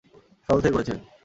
হাসপাতাল থেকে করেছে।